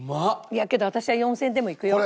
いやけど私は４０００円でも行くよ。